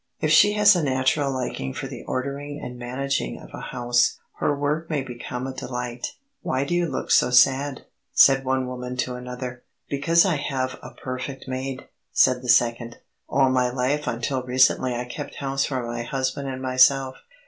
If she has a natural liking for the ordering and managing of a house, her work may become a delight. "Why do you look so sad?" said one woman to another. "Because I have a perfect maid," said the second. "All my life until recently I kept house for my husband and myself.